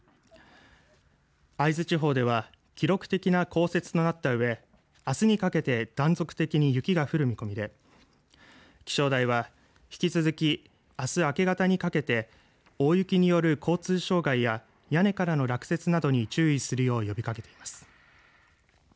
会津地方では記録的な降雪となったうえあすにかけて断続的に雪が降る見込みで気象台は引き続きあす明け方にかけて大雪による交通障害や屋根からの落雪などに注意するよう呼びかけています。